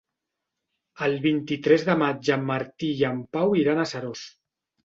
El vint-i-tres de maig en Martí i en Pau iran a Seròs.